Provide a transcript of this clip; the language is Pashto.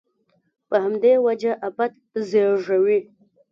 په همدې وجه افت زېږوي.